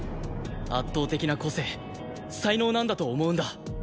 圧倒的な個性才能なんだと思うんだ。